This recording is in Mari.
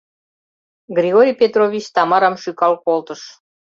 — Григорий Петрович Тамарам шӱкал колтыш.